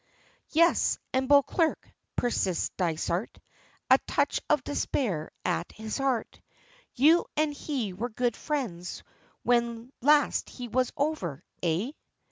"Yes, and Beauclerk," persists Dysart, a touch of despair at his heart; "you and he were good friends when last he was over, eh?"